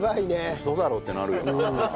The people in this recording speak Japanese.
ウソだろってなるよな。